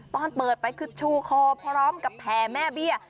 ตอนเปิดไปคือชูคอพร้อมกับแผ่แม่เบี้ย